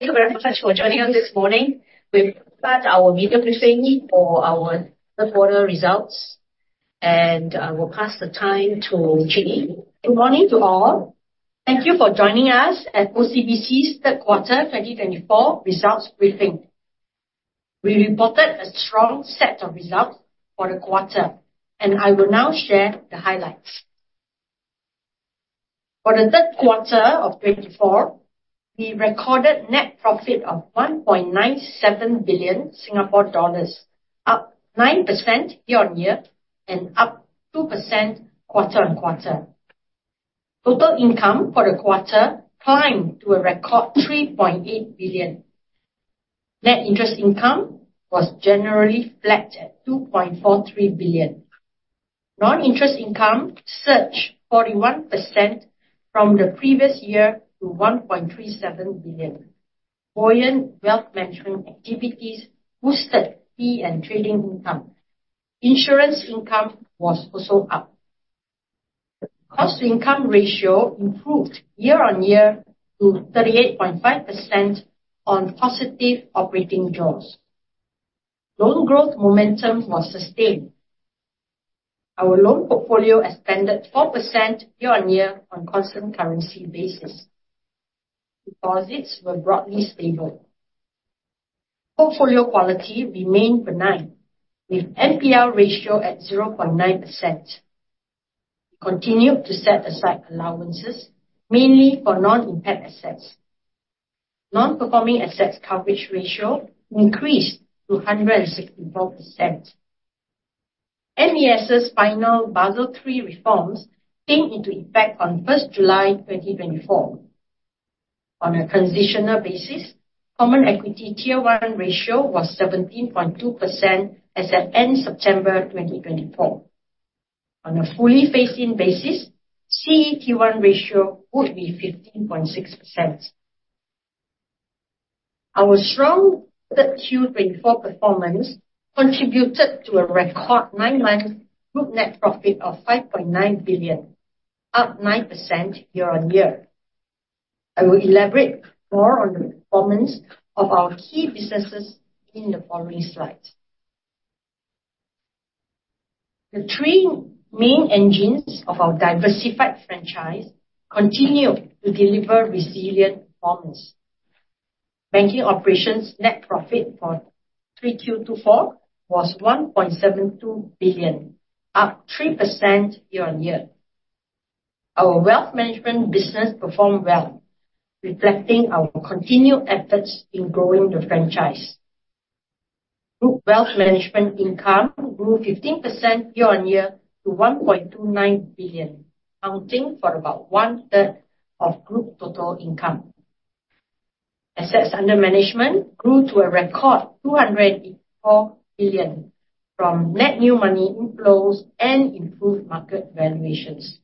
Thank you very much for joining us this morning. We've started our media briefing for our third-quarter results, and we'll pass the mic to Chin Yee. Good morning to all. Thank you for joining us at OCBC's third-quarter 2024 results briefing. We reported a strong set of results for the quarter, and I will now share the highlights. For the third quarter of 2024, we recorded net profit of 1.97 billion Singapore dollars, up 9% year-on-year and up 2% quarter-on-quarter. Total income for the quarter climbed to a record 3.8 billion. Net interest income was generally flat at 2.43 billion. Non-interest income surged 41% from the previous year to 1.37 billion. Buoyant wealth management activities boosted fee and trading income. Insurance income was also up. Cost-to-income ratio improved year-on-year to 38.5% on positive operating jaws. Loan growth momentum was sustained. Our loan portfolio expanded 4% year-on-year on a constant currency basis. Deposits were broadly stable. Portfolio quality remained benign, with NPL ratio at 0.9%. We continued to set aside allowances, mainly for non-retail assets. Non-performing assets coverage ratio increased to 164%. MAS's final Basel III reforms came into effect on 1 July 2024. On a transitional basis, common equity Tier 1 ratio was 17.2% as at end September 2024. On a fully phased-in basis, CET1 ratio would be 15.6%. Our strong third-quarter 2024 performance contributed to a record nine-month group net profit of 5.9 billion, up 9% year-on-year. I will elaborate more on the performance of our key businesses in the following slides. The three main engines of our diversified franchise continue to deliver resilient performance. Banking operations net profit for Q3 2024 was SGD 1.72 billion, up 3% year-on-year. Our wealth management business performed well, reflecting our continued efforts in growing the franchise. Group wealth management income grew 15% year-on-year to 1.29 billion, accounting for about one-third of group total income. Assets under management grew to a record SGD 284 billion from net new money inflows and improved market valuations.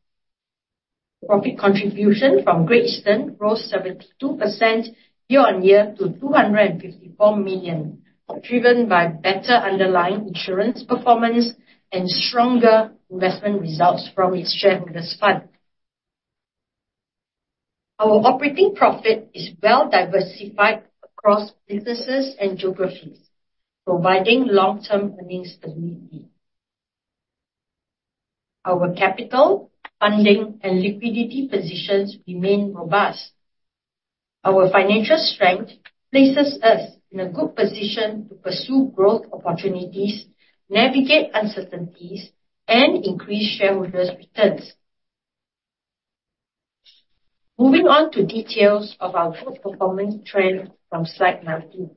Profit contribution from Great Eastern rose 72% year-on-year to 254 million, driven by better underlying insurance performance and stronger investment results from its shareholders' fund. Our operating profit is well-diversified across businesses and geographies, providing long-term earnings stability. Our capital, funding, and liquidity positions remain robust. Our financial strength places us in a good position to pursue growth opportunities, navigate uncertainties, and increase shareholders' returns. Moving on to details of our growth performance trend from slide 19.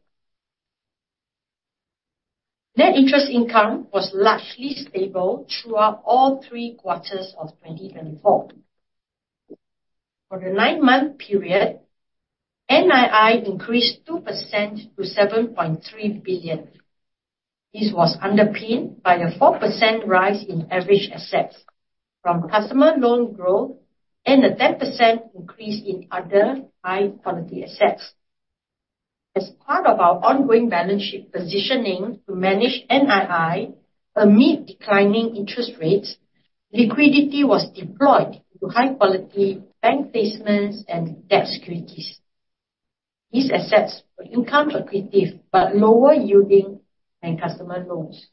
Net interest income was largely stable throughout all three quarters of 2024. For the nine-month period, NII increased 2% to 7.3 billion. This was underpinned by a 4% rise in average assets from customer loan growth and a 10% increase in other high-quality assets. As part of our ongoing balance sheet positioning to manage NII amid declining interest rates, liquidity was deployed to high-quality bank placements and debt securities. These assets were income-accretive but lower-yielding than customer loans.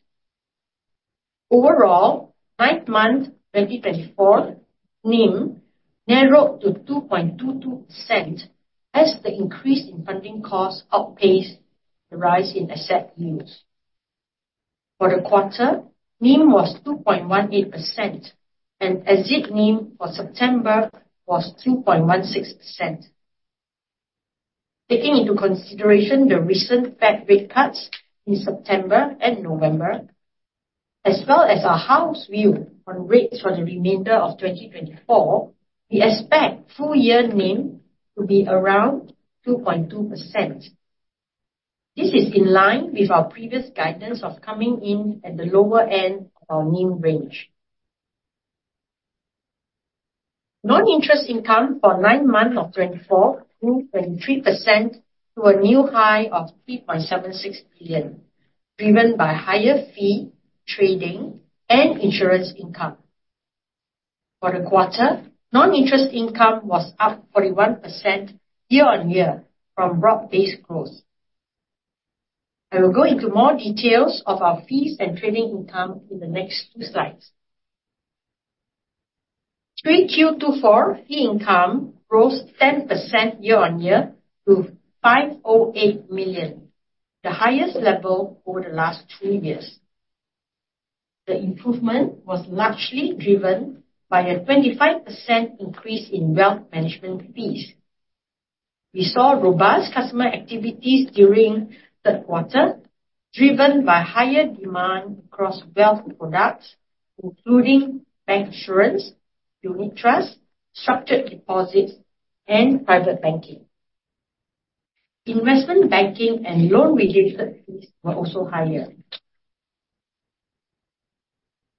Overall, ninth month 2024, NIM narrowed to 2.22% as the increase in funding costs outpaced the rise in asset yields. For the quarter, NIM was 2.18%, and exit NIM for September was 2.16%. Taking into consideration the recent Fed rate cuts in September and November, as well as our house view on rates for the remainder of 2024, we expect full-year NIM to be around 2.2%. This is in line with our previous guidance of coming in at the lower end of our NIM range. Non-interest income for nine months of 2024 grew 23% to a new high of 3.76 billion, driven by higher fee, trading, and insurance income. For the quarter, non-interest income was up 41% year-on-year from broad-based growth. I will go into more details of our fees and trading income in the next two slides. 3Q 2024 fee income rose 10% year-on-year to 508 million, the highest level over the last two years. The improvement was largely driven by a 25% increase in wealth management fees. We saw robust customer activities during third quarter, driven by higher demand across wealth products, including bank insurance, unit trusts, structured deposits, and private banking. Investment banking and loan-related fees were also higher.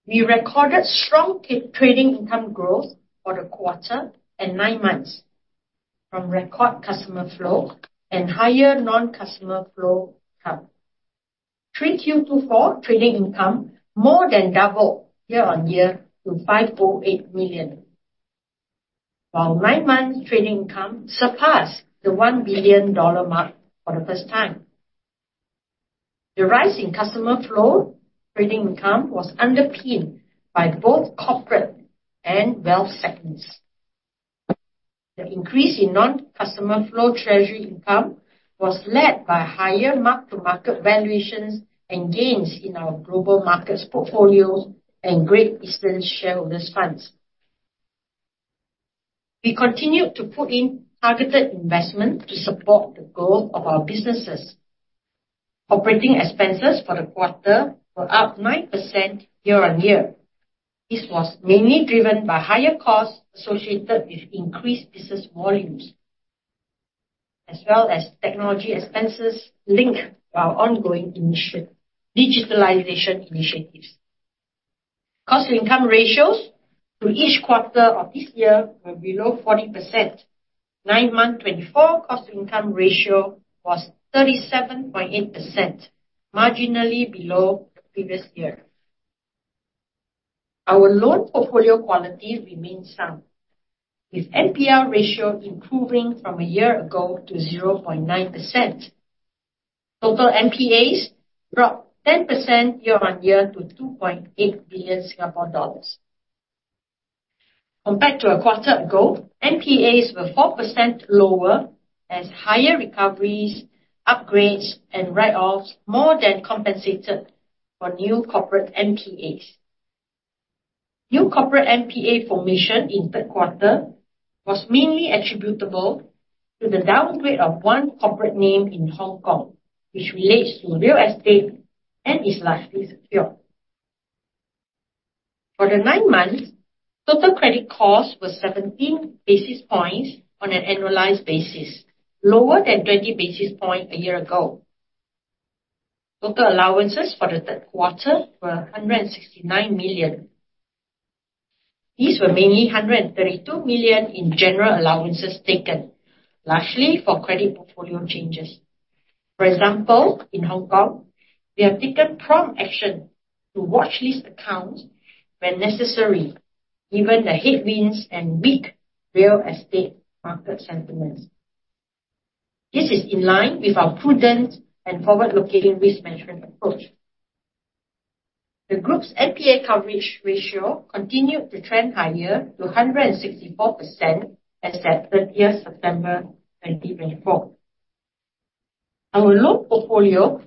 We recorded strong trading income growth for the quarter and nine months from record customer flow and higher non-customer flow income. 2024 trading income more than doubled year-on-year to 508 million, while nine-month trading income surpassed the 1 billion dollar mark for the first time. The rise in customer flow trading income was underpinned by both corporate and wealth segments. The increase in non-customer flow treasury income was led by higher mark-to-market valuations and gains in our global markets portfolio and Great Eastern shareholders' funds. We continued to put in targeted investment to support the growth of our businesses. Operating expenses for the quarter were up 9% year-on-year. This was mainly driven by higher costs associated with increased business volumes, as well as technology expenses linked to our ongoing digitalization initiatives. Cost-to-income ratios for each quarter of this year were below 40%. Nine-month 2024 cost-to-income ratio was 37.8%, marginally below the previous year. Our loan portfolio quality remained sound, with NPL ratio improving from a year ago to 0.9%. Total NPAs dropped 10% year-on-year to 2.8 billion Singapore dollars. Compared to a quarter ago, NPAs were 4% lower as higher recoveries, upgrades, and write-offs more than compensated for new corporate NPAs. New corporate NPA formation in third quarter was mainly attributable to the downgrade of one corporate name in Hong Kong, which relates to real estate and is largely secured. For the nine months, total credit costs were 17 basis points on an annualized basis, lower than 20 basis points a year ago. Total allowances for the third quarter were 169 million. These were mainly 132 million in general allowances taken, largely for credit portfolio changes. For example, in Hong Kong, we have taken prompt action to watch list accounts when necessary, given the headwinds and weak real estate market sentiments. This is in line with our prudent and forward-looking risk management approach. The group's NPA coverage ratio continued to trend higher to 164% as at 30 September 2024. Our loan portfolio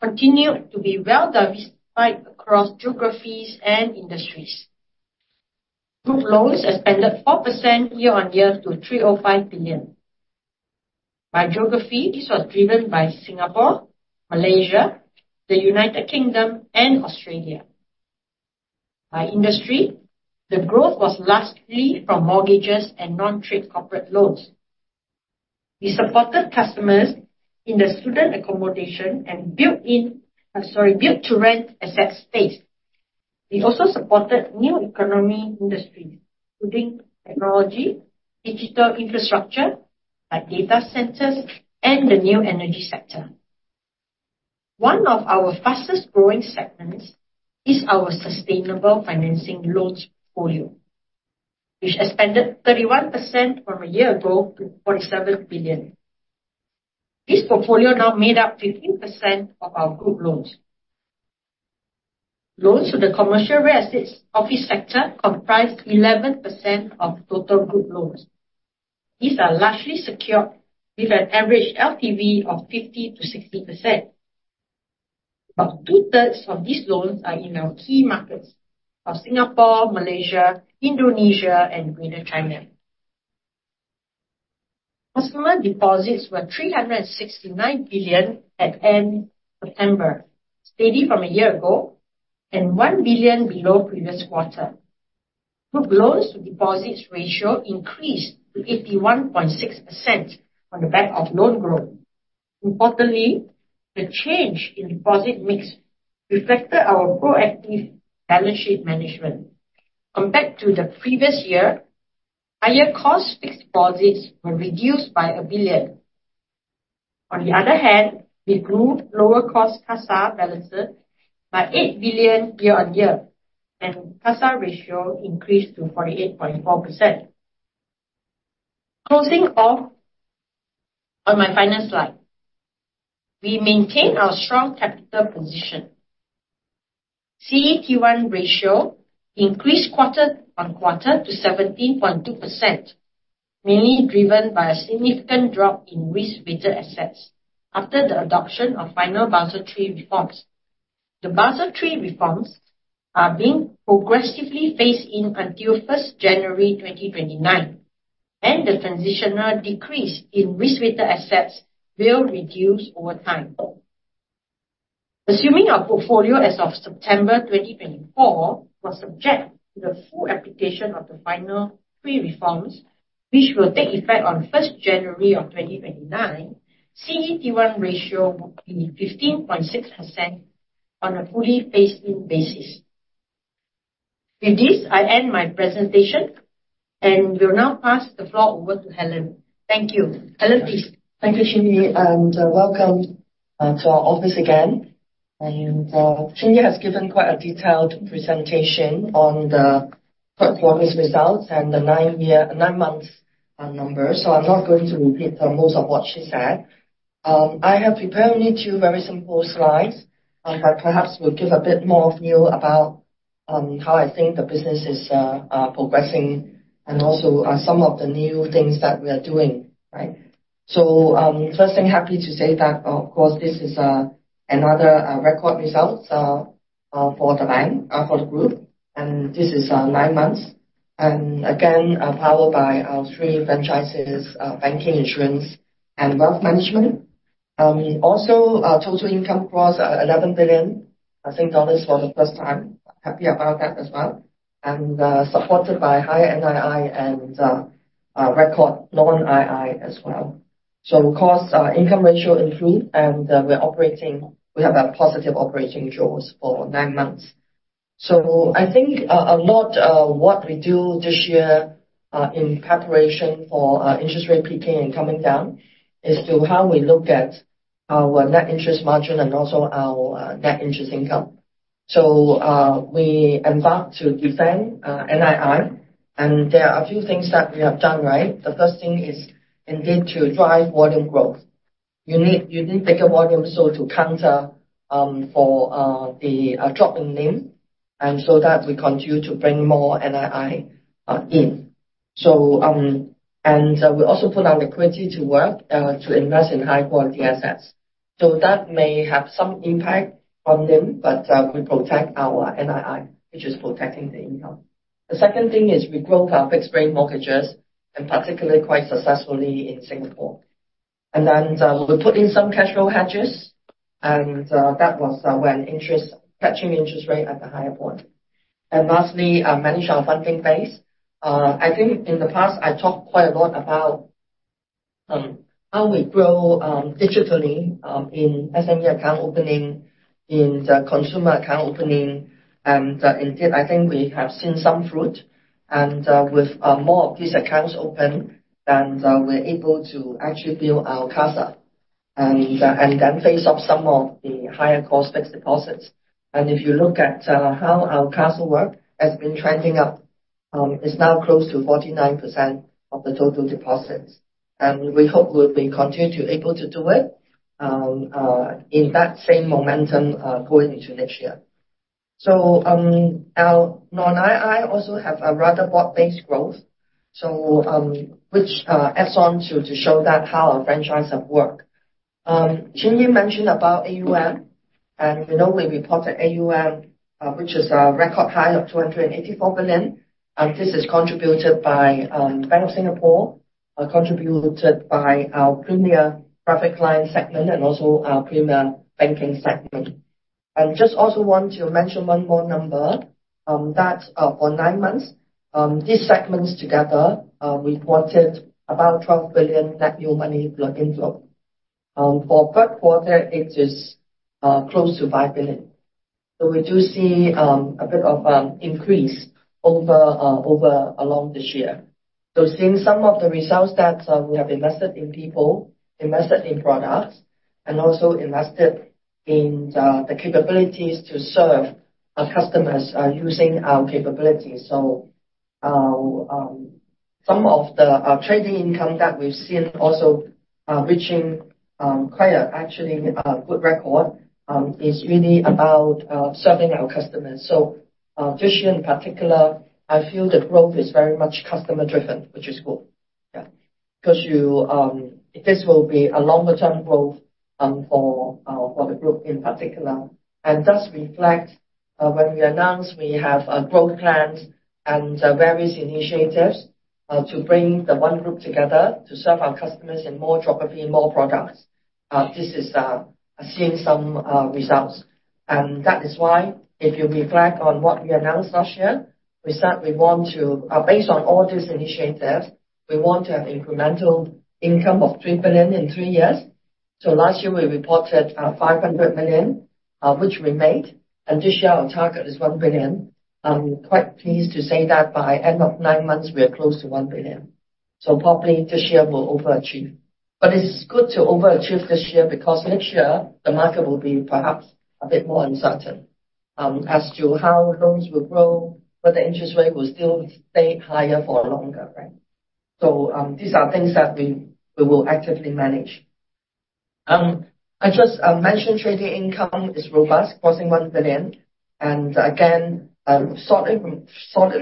continued to be well-diversified across geographies and industries. Group loans expanded 4% year-on-year to 305 billion. By geography, this was driven by Singapore, Malaysia, the United Kingdom, and Australia. By industry, the growth was largely from mortgages and non-trade corporate loans. We supported customers in the student accommodation and built-to-rent asset space. We also supported new economy industries, including technology, digital infrastructure like data centers, and the new energy sector. One of our fastest-growing segments is our sustainable financing loans portfolio, which expanded 31% from a year ago to 47 billion. This portfolio now made up 15% of our group loans. Loans to the commercial real estate office sector comprise 11% of total group loans. These are largely secured with an average LTV of 50%-60%. About two-thirds of these loans are in our key markets of Singapore, Malaysia, Indonesia, and Greater China. Customer deposits were 369 billion at end September, steady from a year ago, and 1 billion below previous quarter. Group loans to deposits ratio increased to 81.6% on the back of loan growth. Importantly, the change in deposit mix reflected our proactive balance sheet management. Compared to the previous year, higher cost fixed deposits were reduced by 1 billion. On the other hand, we grew lower-cost CASA balances by 8 billion year-on-year, and CASA ratio increased to 48.4%. Closing off on my final slide, we maintain our strong capital position. CET1 ratio increased quarter-on-quarter to 17.2%, mainly driven by a significant drop in risk-weighted assets after the adoption of final Basel III reforms. The Basel III reforms are being progressively phased in until 1 January 2029, and the transitional decrease in risk-weighted assets will reduce over time. Assuming our portfolio as of September 2024 was subject to the full application of the final three reforms, which will take effect on 1 January 2029, CET1 ratio would be 15.6% on a fully phased-in basis. With this, I end my presentation and will now pass the floor over to Helen. Thank you. Helen, please. Thank you, Chin Yee, and welcome to our office again. Chin has given quite a detailed presentation on the third quarter's results and the nine-month number, so I'm not going to repeat most of what she said. I have prepared only two very simple slides, but perhaps will give a bit more of new about how I think the business is progressing and also some of the new things that we are doing. Right? So first thing, happy to say that, of course, this is another record result for the bank, for the group, and this is nine months. And again, powered by our three franchises, banking, insurance, and wealth management. Also, total income crossed 11 billion for the first time. Happy about that as well. And supported by high NII and record non-II as well. So of course, income ratio improved, and we're operating, we have a positive operating growth for nine months. So I think a lot of what we do this year in preparation for interest rate peaking and coming down is how we look at our net interest margin and also our net interest income. So we aim to defend NII, and there are a few things that we have done right. The first thing is indeed to drive volume growth. You need bigger volume so to counter the drop in NIM, and so that we continue to bring more NII in. And we also put our liquidity to work to invest in high-quality assets. So that may have some impact on NIM, but we protect our NII, which is protecting the income. The second thing is we grow our fixed-rate mortgages, in particular, quite successfully in Singapore. And then we put in some cash flow hedges, and that was when interest rates were catching up to the higher point. And lastly, we manage our funding base. I think in the past, I talked quite a lot about how we grow digitally in SME account opening, in the consumer account opening, and indeed, I think we have seen some fruit. And with more of these accounts open, then we're able to actually build our CASA and then face off some of the higher-cost fixed deposits. And if you look at how our CASA work has been trending up, it's now close to 49% of the total deposits. And we hope we'll continue to be able to do it in that same momentum going into next year. So our non-II also has a rather broad-based growth, which adds on to show how our franchise has worked. Chin Yee mentioned about AUM, and we reported AUM, which is a record high of 284 billion. This is contributed by Bank of Singapore, contributed by our premier private client segment, and also our premier banking segment. And just also want to mention one more number that for nine months, these segments together reported about 12 billion net new money in the inflow. For third quarter, it is close to 5 billion. So we do see a bit of increase over along this year. So seeing some of the results that we have invested in people, invested in products, and also invested in the capabilities to serve our customers using our capabilities. So some of the trading income that we've seen also reaching quite an actually good record is really about serving our customers. So this year, in particular, I feel the growth is very much customer-driven, which is good. Yeah, because this will be a longer-term growth for the group in particular and does reflect when we announced we have growth plans and various initiatives to bring the one group together to serve our customers in more geography, more products. This is seeing some results and that is why if you reflect on what we announced last year, we said we want to, based on all these initiatives, we want to have incremental income of 3 billion in three years so last year, we reported 500 million, which we made and this year, our target is 1 billion. I'm quite pleased to say that by end of nine months, we are close to 1 billion so probably this year will overachieve. But it's good to overachieve this year because next year, the market will be perhaps a bit more uncertain as to how loans will grow, whether interest rate will still stay higher for longer. Right? So these are things that we will actively manage. I just mentioned trading income is robust, crossing 1 billion. And again, solid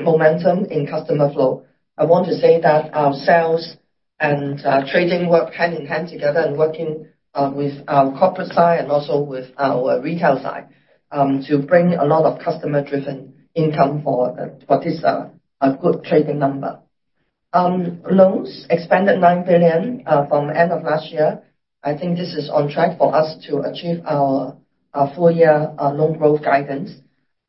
momentum in customer flow. I want to say that our sales and trading work hand in hand together and working with our corporate side and also with our retail side to bring a lot of customer-driven income for what is a good trading number. Loans expanded 9 billion from the end of last year. I think this is on track for us to achieve our full-year loan growth guidance.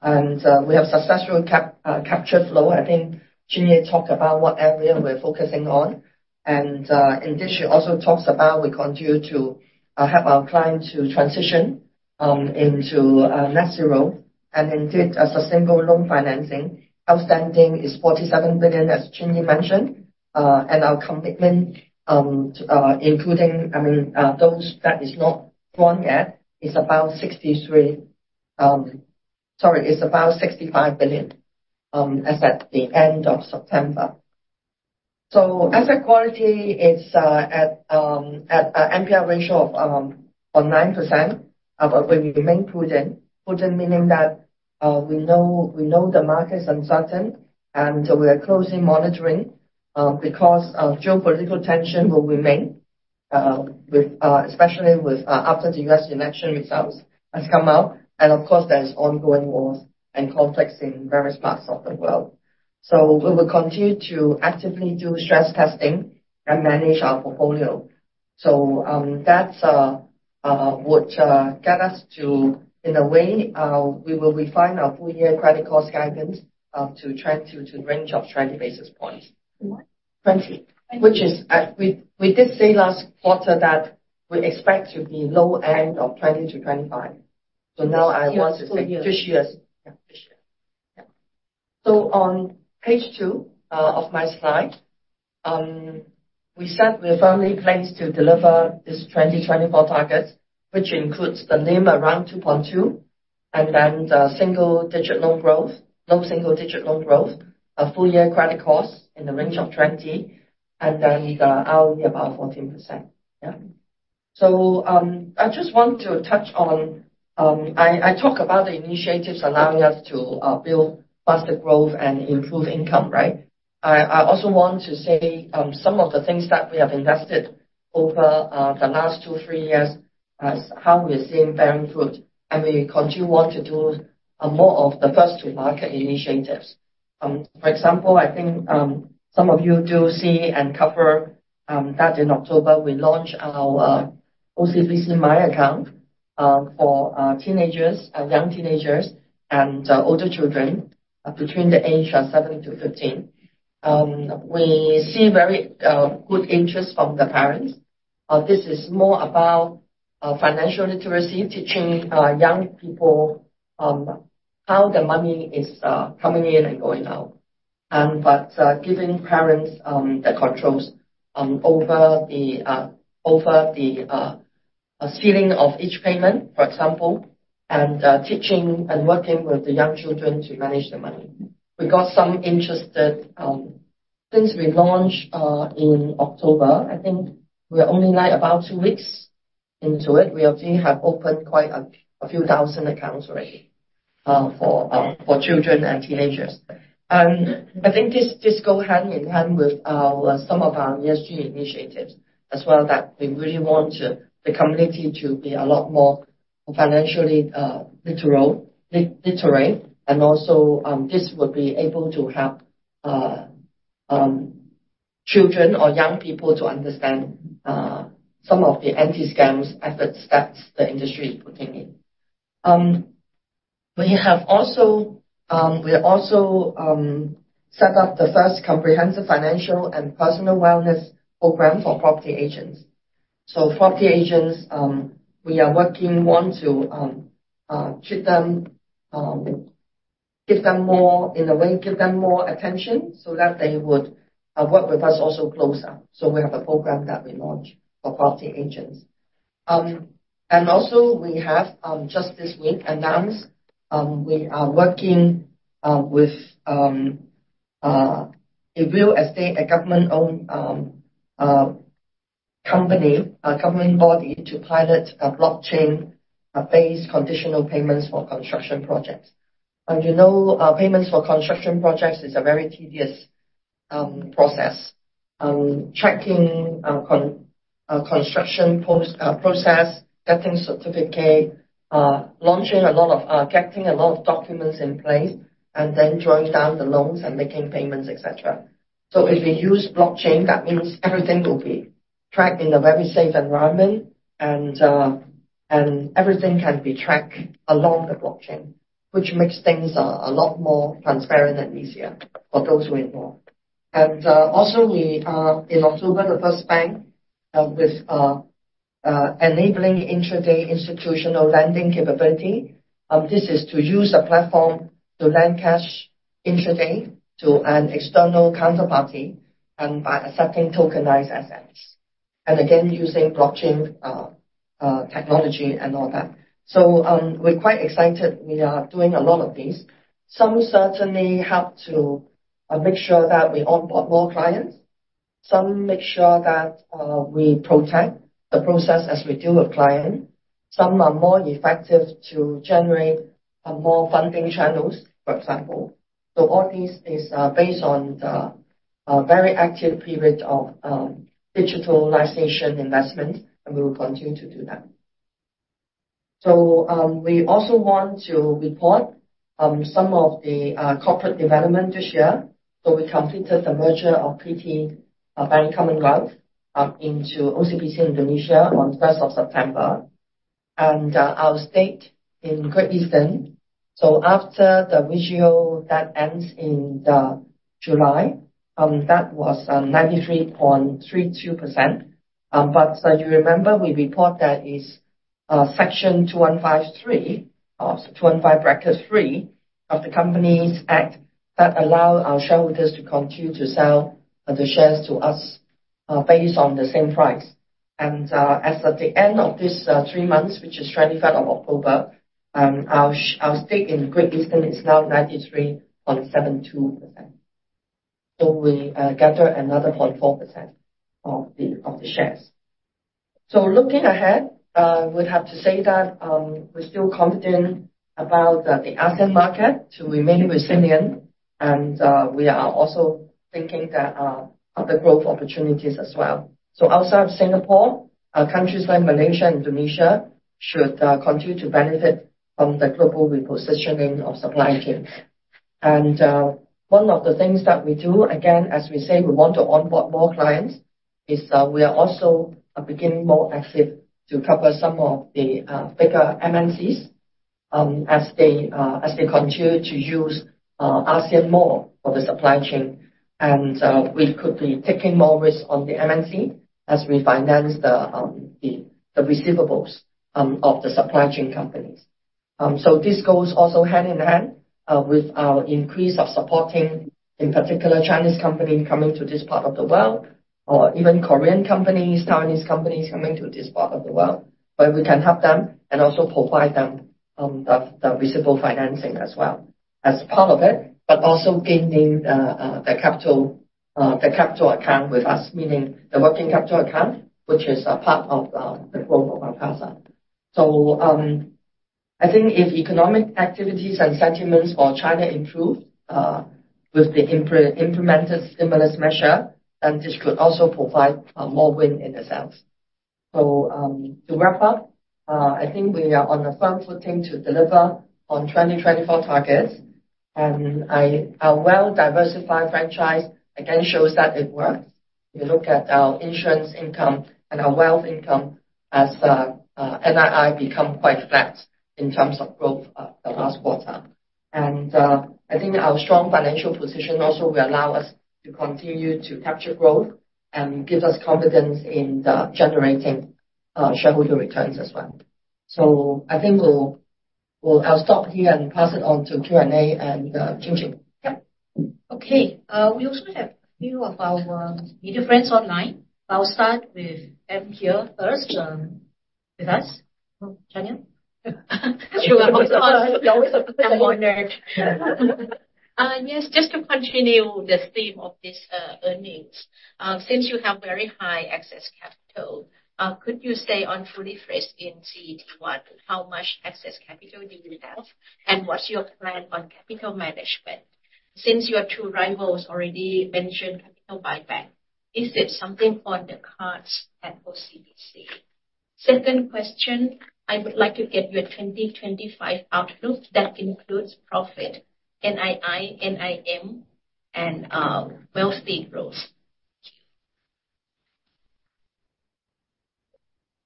And we have successful capture flow. I think Ching talked about what area we're focusing on. Indeed, she also talks about we continue to help our client to transition into net zero and indeed sustainable loan financing. Outstanding is 47 billion, as Chin mentioned, and our commitment, including, I mean, those that is not drawn yet, is about 63 billion, sorry, is about 65 billion as at the end of September. Asset quality is at an NPL ratio of 9%, but we remain prudent, prudent meaning that we know the market is uncertain and we are closely monitoring because geopolitical tension will remain, especially after the U.S. election results have come out. Of course, there's ongoing wars and conflicts in various parts of the world. We will continue to actively do stress testing and manage our portfolio. So that's what got us to, in a way, we will refine our full-year credit cost guidance to a range of 20 basis points, which is we did say last quarter that we expect to be low end of 20-25. So now I want to say this year. Yeah, this year. Yeah. So on page two of my slide, we said we're firmly placed to deliver this 2024 target, which includes the NIM around 2.2% and then the single digit loan growth, no single digit loan growth, a full-year credit cost in the range of 20, and then the ROE about 14%. Yeah. So I just want to touch on, I talk about the initiatives allowing us to build faster growth and improve income. Right? I also want to say some of the things that we have invested over the last two, three years and how we are seeing bearing fruit, and we continue to want to do more of the first-to-market initiatives. For example, I think some of you do see and cover that. In October, we launched our OCBC My Account for teenagers, young teenagers, and older children between the age of seven to 15. We see very good interest from the parents. This is more about financial literacy, teaching young people how the money is coming in and going out, but giving parents the controls over the ceiling of each payment, for example, and teaching and working with the young children to manage the money. We got some interest since we launched in October. I think we're only like about two weeks into it. We have opened quite a few thousand accounts already for children and teenagers. And I think this goes hand in hand with some of our ESG initiatives as well that we really want the community to be a lot more financially literate. And also this will be able to help children or young people to understand some of the anti-scams efforts that the industry is putting in. We also set up the first comprehensive financial and personal wellness program for property agents. So property agents, we are working on to treat them, give them more in a way, give them more attention so that they would work with us also closer. So we have a program that we launched for property agents. And also we have just this week announced we are working with a real estate, a government-owned company, a government body to pilot blockchain-based conditional payments for construction projects. And you know payments for construction projects is a very tedious process, checking construction process, getting certificate, getting a lot of documents in place, and then drawing down the loans and making payments, etc. So if we use blockchain, that means everything will be tracked in a very safe environment, and everything can be tracked along the blockchain, which makes things a lot more transparent and easier for those who are involved. And also, in October, we are the first bank with enabling intraday institutional lending capability. This is to use a platform to lend cash intraday to an external counterparty and by accepting tokenized assets. And again, using blockchain technology and all that. We're quite excited. We are doing a lot of these. Some certainly help to make sure that we onboard more clients. Some make sure that we protect the process as we deal with clients. Some are more effective to generate more funding channels, for example. All this is based on the very active period of digitalization investment, and we will continue to do that. We also want to report some of the corporate development this year. We completed the merger of PT Bank Commonwealth into OCBC Indonesia on 1st of September. Our stake in Great Eastern. After the offer that ends in July, that was 93.32%. But you remember we report that is Section 215(3) of the Companies Act that allow our shareholders to continue to sell the shares to us based on the same price. As at the end of these three months, which is 23rd of October, our stake in Great Eastern is now 93.72%. So we gathered another 0.4% of the shares. Looking ahead, we would have to say that we're still confident about the asset market to remain resilient. We are also thinking that of the growth opportunities as well. Outside of Singapore, countries like Malaysia and Indonesia should continue to benefit from the global repositioning of supply chain. One of the things that we do, again, as we say, we want to onboard more clients, is we are also becoming more active to cover some of the bigger MNCs as they continue to use ASEAN more for the supply chain. We could be taking more risk on the MNC as we finance the receivables of the supply chain companies. So this goes also hand in hand with our increase of supporting, in particular, Chinese companies coming to this part of the world, or even Korean companies, Taiwanese companies coming to this part of the world. But we can help them and also provide them the receivable financing as well as part of it, but also gaining the capital account with us, meaning the working capital account, which is a part of the growth of our CASA. So I think if economic activities and sentiments for China improve with the implemented stimulus measure, then this could also provide more wind in the sails. So to wrap up, I think we are on a firm footing to deliver on 2024 targets. And our well-diversified franchise again shows that it works. You look at our insurance income and our wealth income as NII become quite flat in terms of growth the last quarter. And I think our strong financial position also will allow us to continue to capture growth and give us confidence in generating shareholder returns as well. I think we'll stop here and pass it on to Q&A and Ching Ching. Yeah. Okay. We also have a few of our media friends online. I'll start with M here first with us. Chanyeong. You always have a question. I'm honored. Yes, just to continue the theme of these earnings, since you have very high excess capital, could you say on fully loaded CET1, how much excess capital do you have and what's your plan on capital management? Since your two rivals already mentioned capital buyback, is it something on the cards at OCBC? Second question, I would like to get your 2025 outlook that includes profit, NII, NIM, and wealth growth.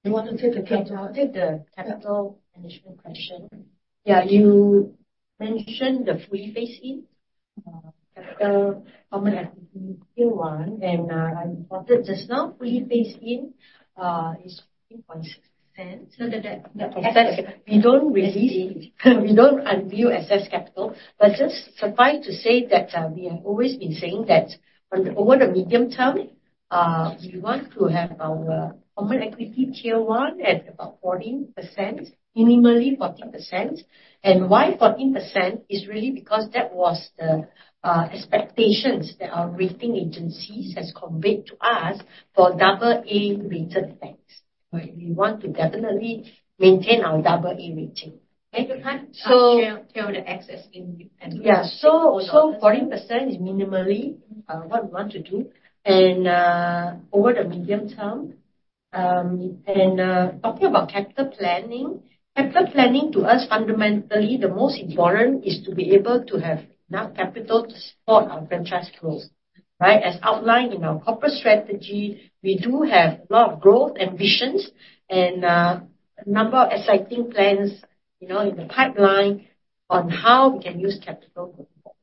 I wanted to take the capital management question. Yeah, you mentioned the fully phased in capital common equity tier one, and I reported just now fully phased in is 14.6%. We don't release, we don't unveil excess capital, but just suffice to say that we have always been saying that over the medium term, we want to have our common equity tier one at about 14%, minimally 14%. And why 14% is really because that was the expectations that our rating agencies has conveyed to us for AA-rated banks. We want to definitely maintain our AA rating. So tier one excess in. Yeah, so 14% is minimally what we want to do. Over the medium term, and talking about capital planning, capital planning to us fundamentally the most important is to be able to have enough capital to support our franchise growth. Right? As outlined in our corporate strategy, we do have a lot of growth ambitions and a number of exciting plans in the pipeline on how we can use capital going forward.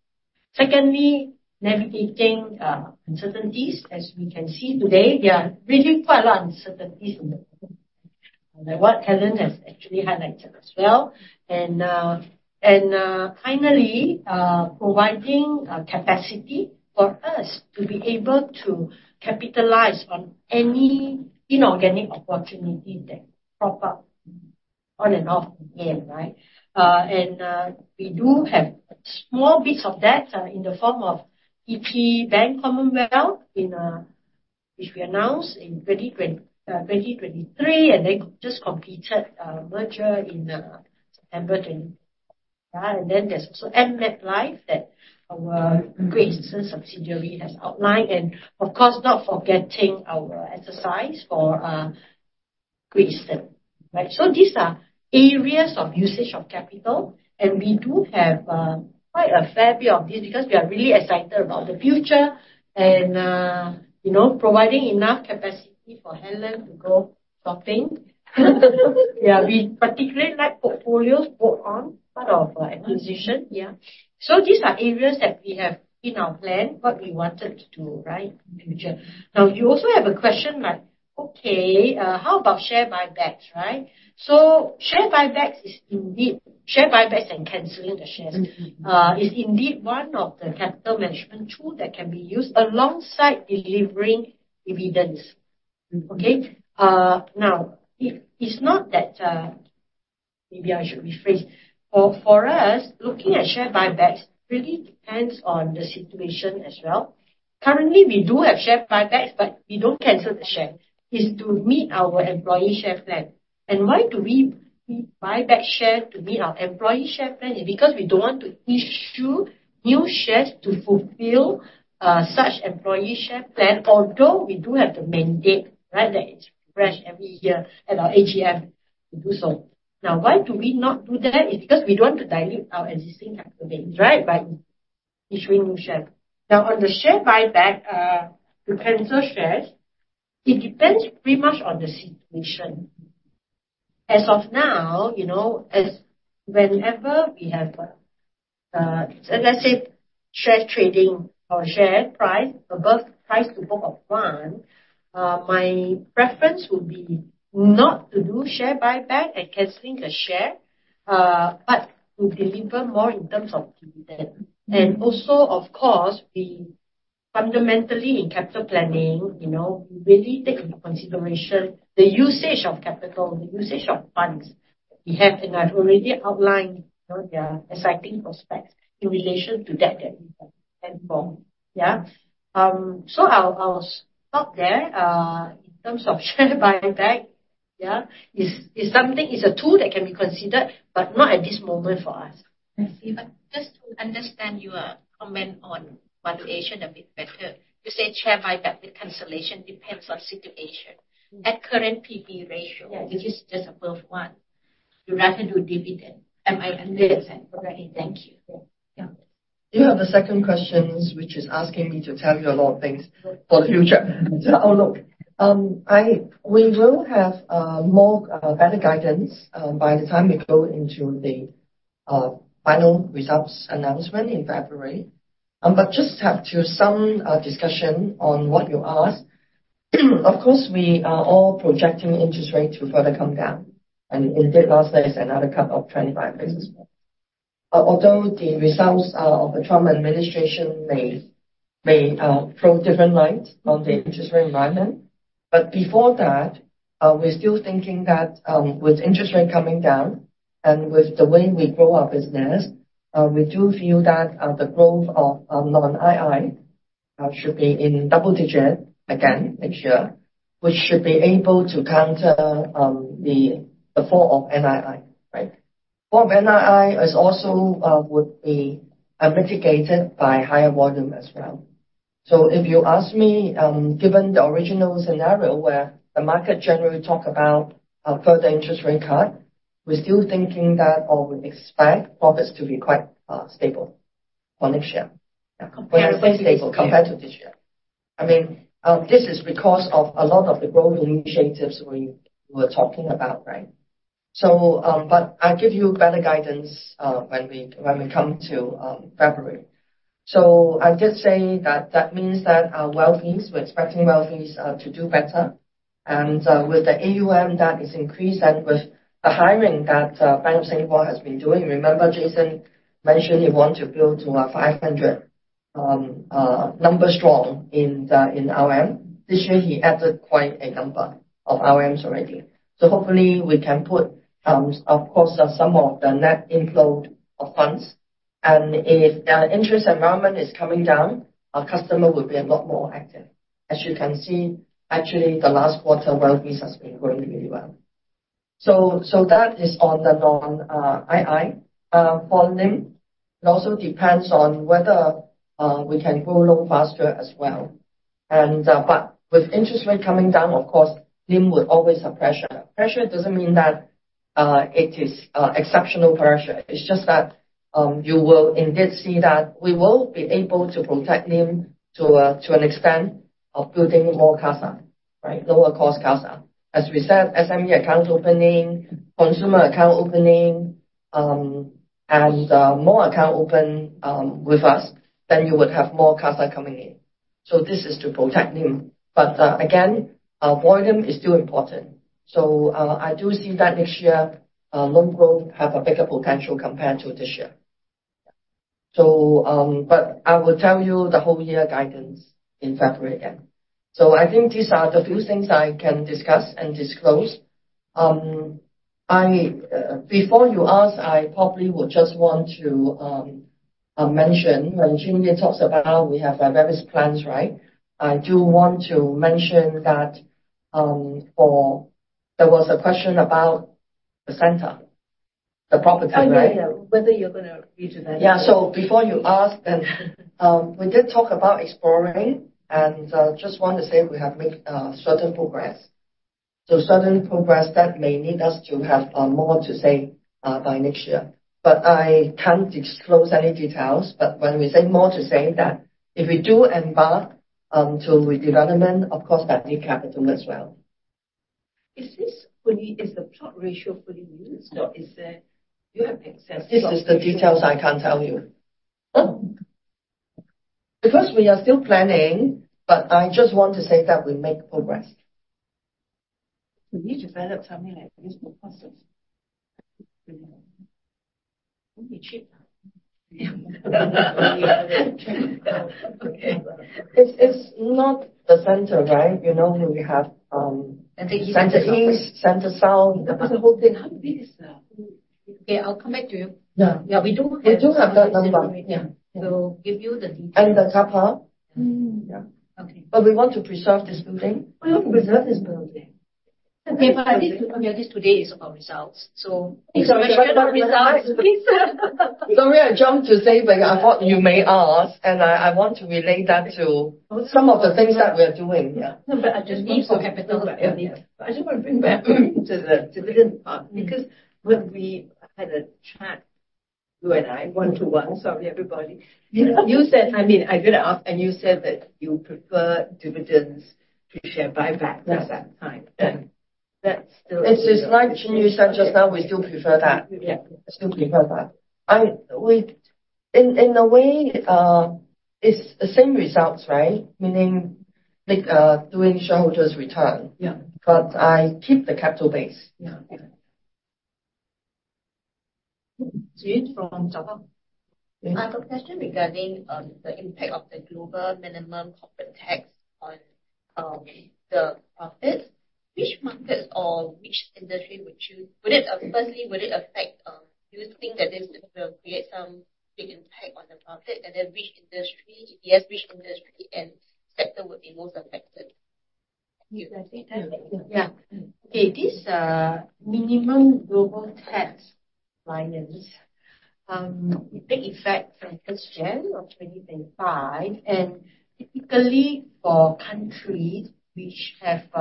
Secondly, navigating uncertainties. As we can see today, there are really quite a lot of uncertainties in the world, like what Helen has actually highlighted as well. Finally, providing capacity for us to be able to capitalize on any inorganic opportunity that crop up on and off again. Right? We do have small bits of that in the form of PT Bank Commonwealth, which we announced in 2023, and they just completed a merger in September 2024. Yeah. And then there's also AmMetLife that our Great Eastern subsidiary has outlined. And of course, not forgetting our exercise for Great Eastern. Right? So these are areas of usage of capital, and we do have quite a fair bit of this because we are really excited about the future and providing enough capacity for Helen to go shopping. Yeah, we particularly like portfolios built on part of acquisition. Yeah. So these are areas that we have in our plan, what we wanted to do, right, in the future. Now, you also have a question like, okay, how about share buybacks? Right? So share buybacks is indeed share buybacks and canceling the shares is indeed one of the capital management tools that can be used alongside delivering dividends. Okay. Now, it's not that maybe I should rephrase. For us, looking at share buybacks really depends on the situation as well. Currently, we do have share buybacks, but we don't cancel the share. It's to meet our employee share plan. And why do we buy back share to meet our employee share plan? It's because we don't want to issue new shares to fulfill such employee share plan, although we do have the mandate, right, that it's fresh every year at our AGM to do so. Now, why do we not do that? It's because we don't want to dilute our existing capital gains, right, by issuing new shares. Now, on the share buyback to cancel shares, it depends pretty much on the situation. As of now, whenever we have a, as I said, share trading or share price above price to book of one, my preference would be not to do share buyback and canceling the share, but to deliver more in terms of dividend. And also, of course, we fundamentally in capital planning, we really take into consideration the usage of capital, the usage of funds we have. And I've already outlined their exciting prospects in relation to that we can stand for. Yeah. So I'll stop there. In terms of share buyback, yeah, it's something, a tool that can be considered, but not at this moment for us. I see. But just to understand your comment on valuation a bit better, you say share buyback with cancellation depends on situation. At current PB ratio, which is just above one, you'd rather do dividend. Am I understanding? Yes. Thank you. Yeah. Do you have a second question, which is asking me to tell you a lot of things for the future? Oh, look, we will have more better guidance by the time we go into the final results announcement in February. But just to have to some discussion on what you asked. Of course, we are all projecting interest rates to further come down. And indeed, last day is another cut of 25 basis points. Although the results of the Trump administration may throw different lights on the interest rate environment. But before that, we're still thinking that with interest rates coming down and with the way we grow our business, we do feel that the growth of non-II should be in double digit again next year, which should be able to counter the fall of NII. Right? Fall of NII is also would be mitigated by higher volume as well. So if you ask me, given the original scenario where the market generally talked about further interest rate cut, we're still thinking that or we expect profits to be quite stable for next year. Yeah. Compared to this year. I mean, this is because of a lot of the growth initiatives we were talking about, right? But I'll give you better guidance when we come to February. So I did say that that means that our wealthies, we're expecting wealthies to do better. And with the AUM that is increased and with the hiring that Bank of Singapore has been doing, remember Jason mentioned he wanted to build to a 500 number strong in RM. This year, he added quite a number of RMs already. So hopefully, we can capture, of course, some of the net inflow of funds. And if the interest environment is coming down, our customer will be a lot more active. As you can see, actually, the last quarter, wealthies have been growing really well. So that is on the non-II. For NIM, it also depends on whether we can grow loans faster as well. But with interest rate coming down, of course, NIM would always have pressure. Pressure doesn't mean that it is exceptional pressure. It's just that you will indeed see that we will be able to protect NIM to an extent of building more CASA, right? Lower cost CASA. As we said, SME account opening, consumer account opening, and more account open with us, then you would have more CASA coming in. So this is to protect NIM. But again, volume is still important. So I do see that next year, loan growth has a bigger potential compared to this year. But I will tell you the whole year guidance in February again. So I think these are the few things I can discuss and disclose. Before you ask, I probably would just want to mention when Chin talks about we have various plans, right? I do want to mention that there was a question about the Center, the property, right? I know whether you're going to get to that. Yeah. So before you ask, then we did talk about exploring and just want to say we have made certain progress. So certain progress that may need us to have more to say by next year. But I can't disclose any details. But when we say more to say that if we do embark on redevelopment, of course, that needs capital as well. Is the plot ratio fully used or do you have excess? This is the details I can't tell you. Because we are still planning, but I just want to say that we make progress. We need to develop something like this of course. It's not the Center, right? You know what we have? Center East, Center South. That was the whole thing. How big is the? Okay, I'll come back to you. Yeah. We do have that number. Yeah. So give you the details. And the car park? Yeah. But we want to preserve this building. We want to preserve this building. If I didn't come here this today, it's about results. So it's a question about results. Sorry, I jumped to say, but I thought you may ask, and I want to relate that to some of the things that we are doing. Yeah. No, but I just need some capital. I just want to bring back to the dividend part because when we had a chat, you and I, one to one, sorry, everybody, you said, I mean, I did ask, and you said that you prefer dividends to share buybacks at that time. And that's still. It's just like Chin Yee said just now, we still prefer that. Yeah. Still prefer that. In a way, it's the same results, right? Meaning doing shareholders' return. But I keep the capital base. Yeah. Ching from Java. I have a question regarding the impact of the global minimum corporate tax on the profits. Which markets or which industry would you firstly, would it affect you think that this will create some big impact on the profits? And then which industry, if yes, which industry and sector would be most affected? Thank you. Yeah. Okay. This minimum global tax compliance, it takes effect from 1st Jan of 2025. And typically for countries which have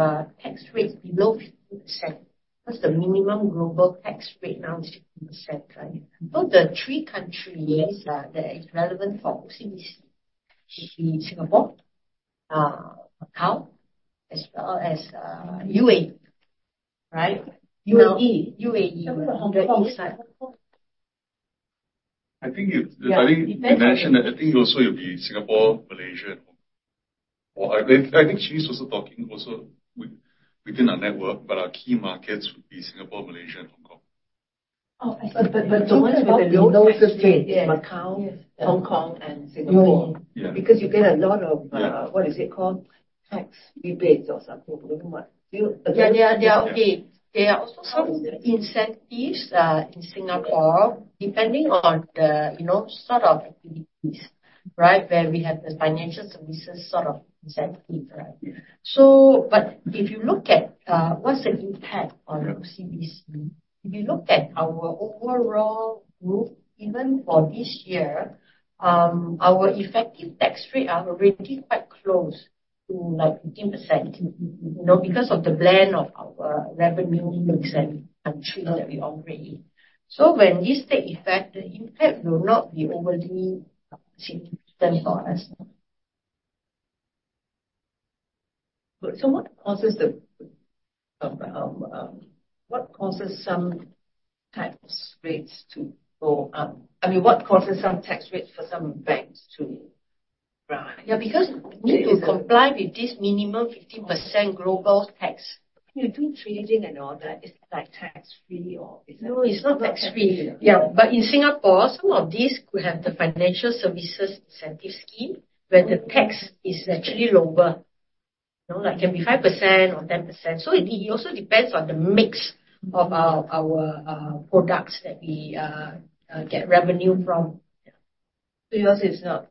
tax rates below 15%, because the minimum global tax rate now is 15%, right? So the three countries that are relevant for OCBC, Singapore, Macau, as well as UAE. Right? UAE. UAE. I think you mentioned that I think also it would be Singapore, Malaysia, and Hong Kong. I think Chin is also talking also within our network, but our key markets would be Singapore, Malaysia, and Hong Kong. Oh, I thought the ones with the lowest rate is Macau, Hong Kong, and Singapore. Because you get a lot of, what is it called? Tax rebates or something. Yeah, yeah, yeah. Okay. There are also some incentives in Singapore depending on the sort of activities, right, where we have the financial services sort of incentive, right? But if you look at what's the impact on OCBC, if you look at our overall group, even for this year, our effective tax rate are already quite close to like 15% because of the blend of our revenue mix and countries that we operate. When this takes effect, the impact will not be overly significant for us. What causes some tax rates to go up? I mean, what causes some tax rates for some banks to run? Yeah, because we need to comply with this minimum 15% global tax. When you do trading and all that, is it like tax-free or is it? No, it's not tax-free. Yeah. But in Singapore, some of these could have the financial services incentive scheme where the tax is actually lower. It can be 5% or 10%. So it also depends on the mix of our products that we get revenue from. So yours is not.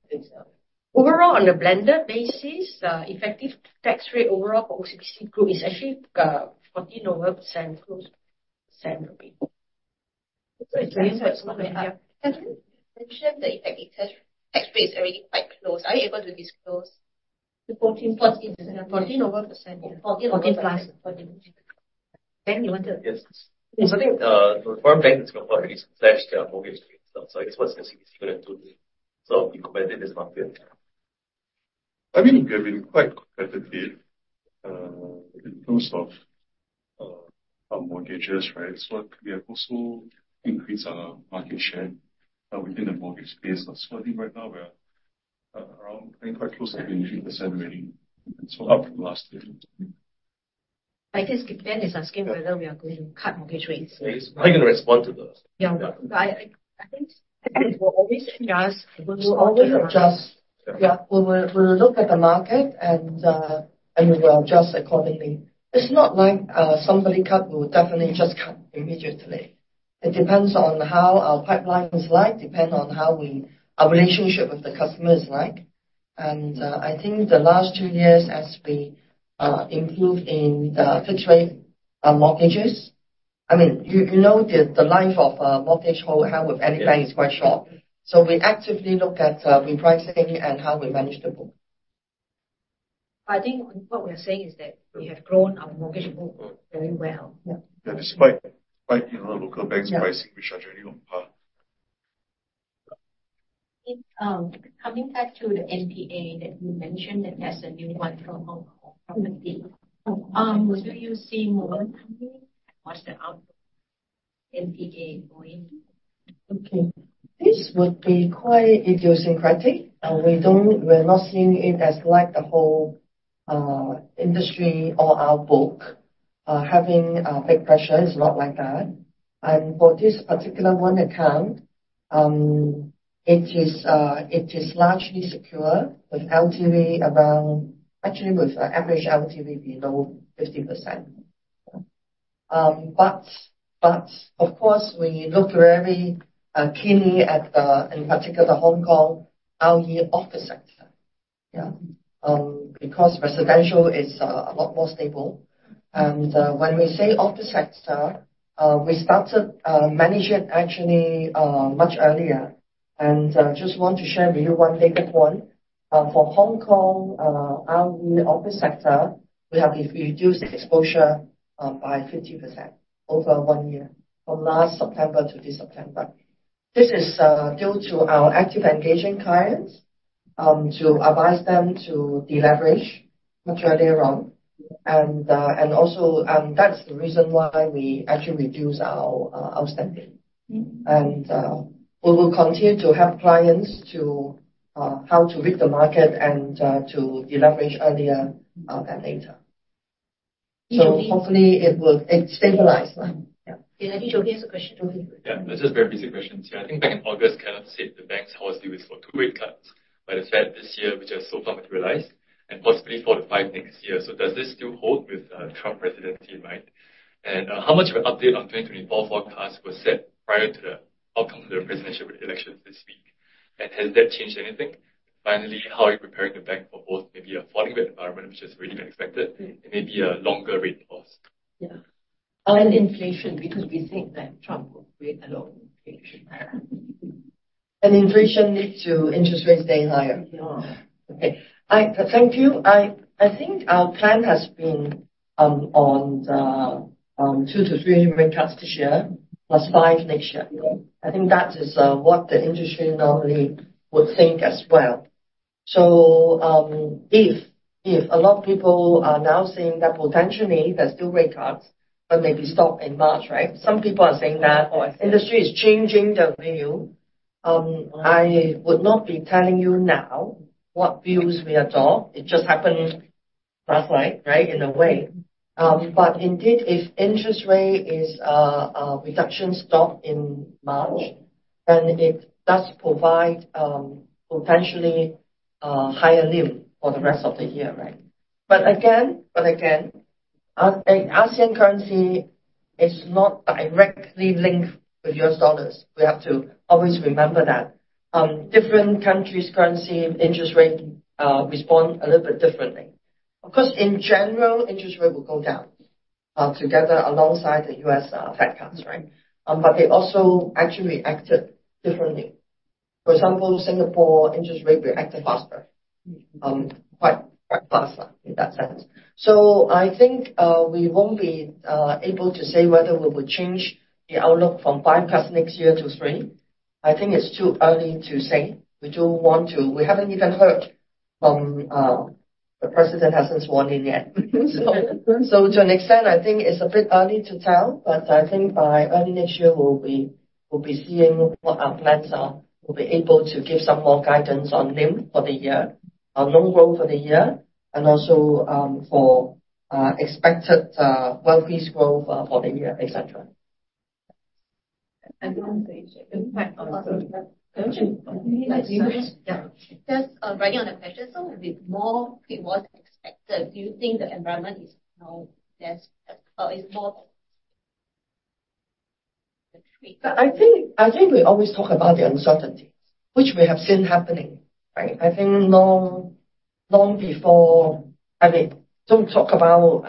Overall, on a blended basis, effective tax rate overall for OCBC group is actually 14% or so percent, close percent. So it's not bad. Can you mention the effective tax rate is already quite close? Are you able to disclose the 14%? Then you want to. Yes. I think the foreign bank in Singapore already slashed their mortgage rates. So I guess what's the OCBC going to do? So we went in this market. I mean, we've been quite competitive in terms of our mortgages, right? So we have also increased our market share within the mortgage space. So I think right now we're around, I think, quite close to being 3% already. So up from last year. I guess Kippen is asking whether we are going to cut mortgage rates. I think I'm going to respond to the. Yeah. I think we'll always adjust. Yeah. We'll look at the market and we will adjust accordingly. It's not like somebody cut, we will definitely just cut immediately. It depends on how our pipeline is like, depend on how our relationship with the customer is like. And I think the last two years as we improve in the fixed rate mortgages, I mean, you know the life of a mortgage hold, how with any bank is quite short. So we actively look at repricing and how we manage the book. But I think what we're saying is that we have grown our mortgage book very well. Yeah. Despite quite a lot of local banks pricing, which are already on par. Coming back to the NPA that you mentioned that there's a new one from Hong Kong property. Do you see more coming? What's the outlook? NPA going? Okay. This would be quite idiosyncratic. We're not seeing it as like the whole industry or our book. Having big pressure is not like that. For this particular one account, it is largely secure with LTV around, actually with average LTV below 15%. But of course, we look very keenly at the, in particular, Hong Kong, our real estate sector. Yeah. Because residential is a lot more stable. And when we say real estate sector, we started managing actually much earlier. And I just want to share with you one data point. For Hong Kong, our real estate sector, we have reduced exposure by 50% over one year from last September to this September. This is due to our actively engaging clients to advise them to deleverage much earlier on. And also that's the reason why we actually reduce our outstanding. And we will continue to help clients on how to read the market and to deleverage earlier than later. So hopefully it will stabilize. Yeah. Did I need to repeat the question? Yeah. This is a very basic question. Yeah. I think back in August, Kevin said the banks would do it for two rate cuts. But it hasn't this year, which has so far not materialized, and possibly four to five next year. So does this still hold with Trump presidency in mind? And how much of an update on 2024 forecast was set prior to the outcome of the presidential election this week? And has that changed anything? Finally, how are you preparing the bank for both maybe a falling rate environment, which has really been expected, and maybe a longer rate pause? Yeah. And inflation, because we think that Trump will create a lot of inflation. And inflation lead to interest rates staying higher. Yeah. Okay. Thank you. I think our plan has been on two to three rate cuts this year, plus five next year. I think that is what the industry normally would think as well. So if a lot of people are now saying that potentially there's still rate cuts, but maybe stop in March, right? Some people are saying that industry is changing their view. I would not be telling you now what views we adopt. It just happened last night, right, in a way. But indeed, if interest rate is a reduction stop in March, then it does provide potentially higher NIM for the rest of the year, right? But again, ASEAN currency is not directly linked with U.S. dollars. We have to always remember that. Different countries' currency interest rate respond a little bit differently. Of course, in general, interest rate will go down together alongside the U.S. Fed cuts, right? But they also actually acted differently. For example, Singapore interest rate reacted faster, quite faster in that sense. So I think we won't be able to say whether we will change the outlook from five cuts next year to three. I think it's too early to say. We don't want to. We haven't even heard from the president hasn't sworn in yet. So to an extent, I think it's a bit early to tell. But I think by early next year, we'll be seeing what our plans are. We'll be able to give some more guidance on NIM for the year, on loan growth for the year, and also for expected wealth AUM growth for the year, etc. I don't think so. Yeah. Just writing on the question, so with more than expected, do you think the environment is now less or is more? I think we always talk about the uncertainty, which we have seen happening, right? I think long before, I mean, don't talk about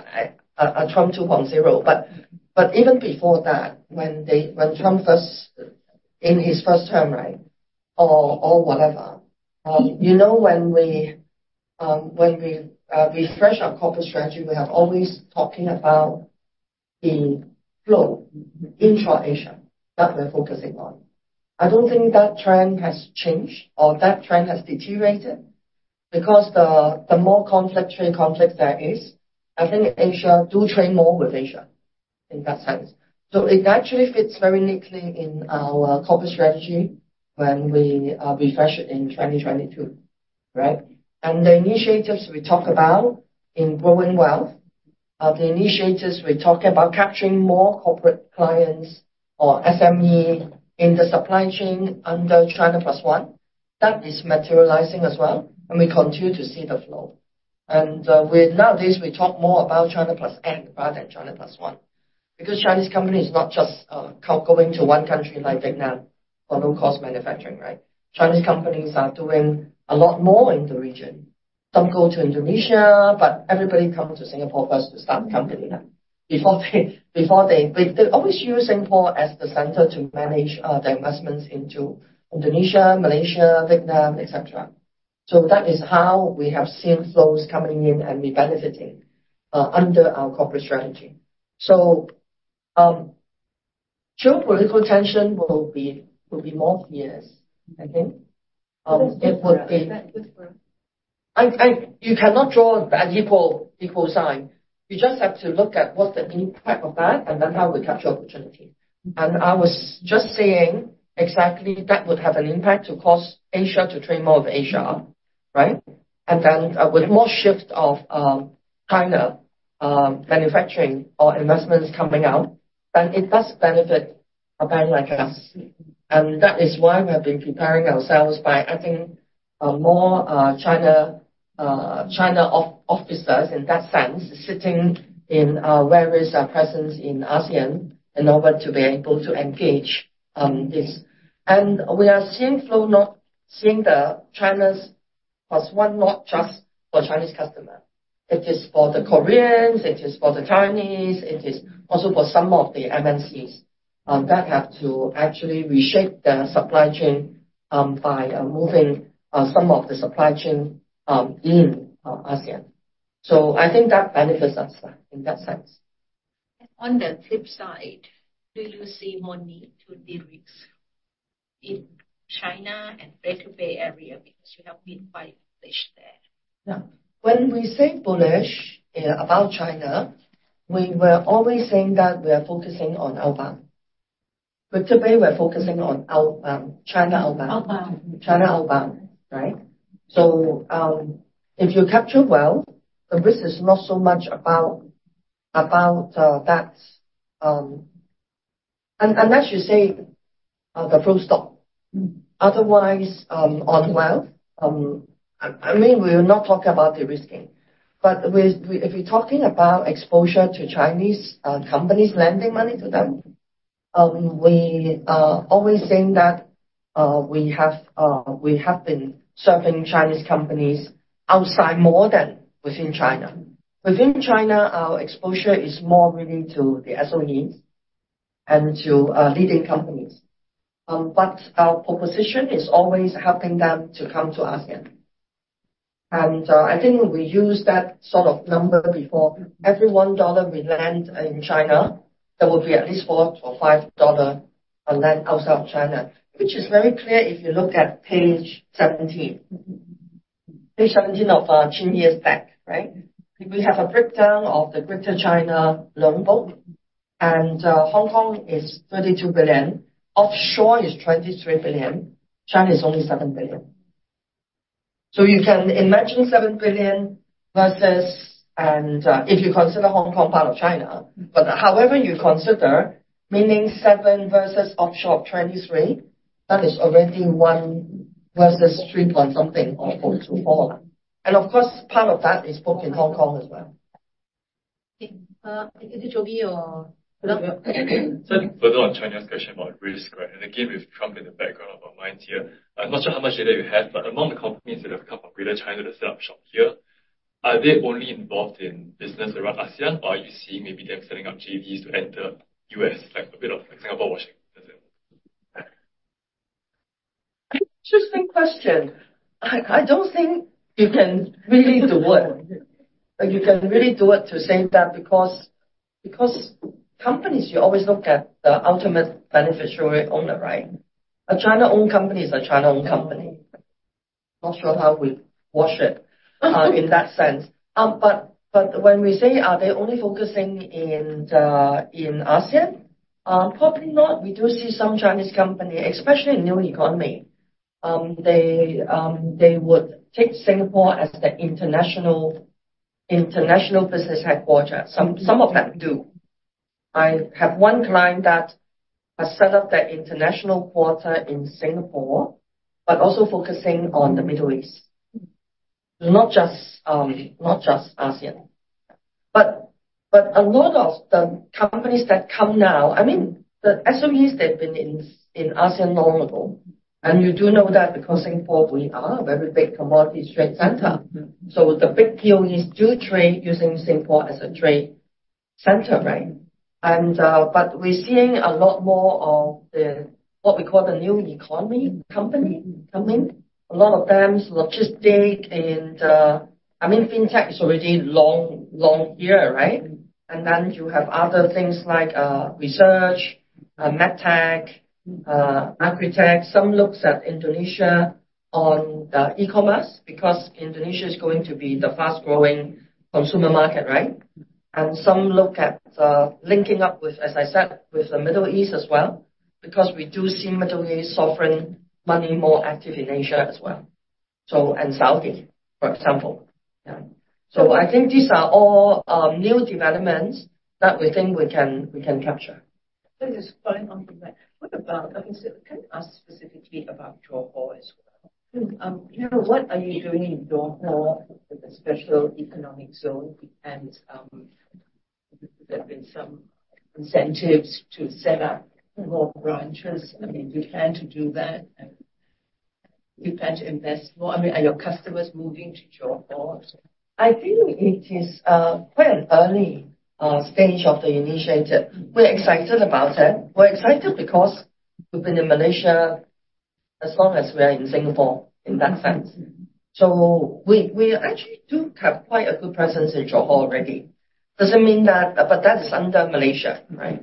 Trump 2.0, but even before that, when Trump first in his first term, right, or whatever, you know, when we refresh our corporate strategy, we have always talking about the flow in Asia that we're focusing on. I don't think that trend has changed or that trend has deteriorated because the more trade conflict there is, I think Asia do trade more with Asia in that sense. So it actually fits very neatly in our corporate strategy when we refresh it in 2022, right? And the initiatives we talk about in growing wealth, the initiatives we're talking about capturing more corporate clients or SME in the supply chain under China Plus One, that is materializing as well. And we continue to see the flow. And nowadays, we talk more about China plus eight rather than China plus one because Chinese companies not just going to one country like Vietnam for low-cost manufacturing, right? Chinese companies are doing a lot more in the region. Some go to Indonesia, but everybody comes to Singapore first to start the company. Before they always use Singapore as the center to manage their investments into Indonesia, Malaysia, Vietnam, etc. So that is how we have seen flows coming in and we benefiting under our corporate strategy. So geopolitical tension will be more fierce, I think. It would be. You cannot draw an equal sign. You just have to look at what's the impact of that and then how we capture opportunity. And I was just saying exactly that would have an impact to cause Asia to trade more with Asia, right? And then with more shift of China manufacturing or investments coming out, then it does benefit a bank like us. And that is why we have been preparing ourselves by adding more China offices in that sense, sitting in various presences in ASEAN in order to be able to engage this. And we are seeing flow from the China Plus One not just for Chinese customers. It is for the Koreans, it is for the Chinese, it is also for some of the MNCs that have to actually reshape their supply chain by moving some of the supply chain in ASEAN. So I think that benefits us in that sense. And on the flip side, do you see more need to de-risk in China and Greater Bay Area because you have been quite bullish there? Yeah. When we say bullish about China, we were always saying that we are focusing on outbound. Better way, we're focusing on outbound, China outbound. China outbound, right? So if you capture well, the risk is not so much about that, and as you say, the flows stop. Otherwise, on wealth, I mean, we're not talking about the risk in. But if you're talking about exposure to Chinese companies lending money to them, we are always saying that we have been serving Chinese companies outside more than within China. Within China, our exposure is more really to the SOEs and to leading companies, but our proposition is always helping them to come to ASEAN. And I think we used that sort of number before, and every $1 we lend in China, there will be at least $4 or $5 lent outside of China, which is very clear if you look at page 17. Page 17 of Chin Yee's deck, right? We have a breakdown of the Greater China loan book, and Hong Kong is 32 billion. Offshore is 23 billion. China is only 7 billion, so you can imagine 7 billion versus, and if you consider Hong Kong part of China, but however you consider, meaning 7 versus offshore of 23, that is already 1 versus 3 point something or 4 to 4, and of course, part of that is book in Hong Kong as well. Is it Johor or, so further on, China's question about risk, right? Again, with Trump in the background of our minds here, not just how much data you have, but among the companies that have come from Greater China to set up shop here, are they only involved in business around ASEAN, or are you seeing maybe them setting up JVs to enter U.S., like a bit of Singapore washing? Interesting question. I don't think you can really do it. You can really do it to say that because companies, you always look at the ultimate beneficial owner, right? A China-owned company is a China-owned company. Not sure how we wash it in that sense. But when we say are they only focusing in ASEAN, probably not. We do see some Chinese companies, especially in new economy. They would take Singapore as the international business headquarters. Some of them do. I have one client that has set up their international headquarters in Singapore, but also focusing on the Middle East. Not just ASEAN. But a lot of the companies that come now, I mean, the SOEs, they've been in ASEAN long ago. And you do know that because Singapore, we are a very big commodity trade center. So the big POEs do trade using Singapore as a trade center, right? But we're seeing a lot more of the what we call the new economy company come in. A lot of them is logistic and, I mean, fintech is already long here, right? And then you have other things like research, medtech, agritech. Some looks at Indonesia on the e-commerce because Indonesia is going to be the fast-growing consumer market, right? And some look at linking up with, as I said, with the Middle East as well because we do see Middle East sovereign money more active in Asia as well. So, and Saudi, for example. So I think these are all new developments that we think we can capture. I think it's quite interesting. What about, I mean, can you ask specifically about Johor as well? What are you doing in Johor with the special economic zone? And there have been some incentives to set up more branches. I mean, you plan to do that? You plan to invest more? I mean, are your customers moving to Johor? I think it is quite an early stage of the initiative. We're excited about it. We're excited because we've been in Malaysia as long as we are in Singapore in that sense. So we actually do have quite a good presence in Johor already. Doesn't mean that, but that is under Malaysia, right?